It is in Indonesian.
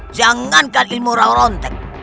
jangankan ilmu raw rontek